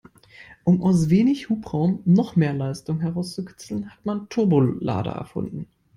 Um aus wenig Hubraum noch mehr Leistung herauszukitzeln, hat man Turbolader erfunden.